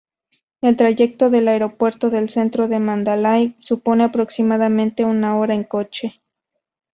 El trayecto del aeropuerto al centro de Mandalay supone aproximadamente una hora en coche.